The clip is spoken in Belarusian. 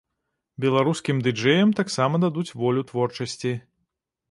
Беларускім ды-джэям таксама дадуць волю творчасці.